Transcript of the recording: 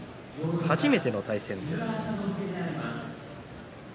初めての対戦です。